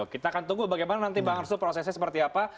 kita akan tunggu bagaimana nanti bang arsul prosesnya seperti apa